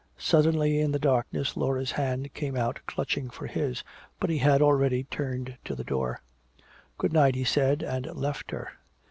Suddenly in the darkness Laura's hand came out clutching for his. But he had already turned to the door. "Good night," he said, and left her.